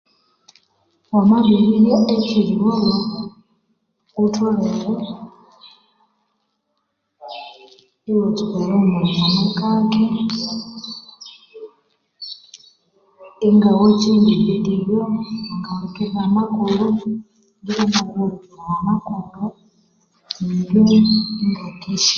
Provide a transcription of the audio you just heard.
Wamabirirya echerigholho ghutholere iwathatsuka erihumulikana kake ingawachinga evidio ingahulikirira amakuru ingabirihulikirira amakuru ingakesha